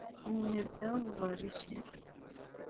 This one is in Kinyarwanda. mu bihe bya vuba bishize